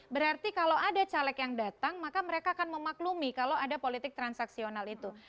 berarti kalau ada caleg yang datang maka mereka akan memaklumi kalau ada politik transaksional itu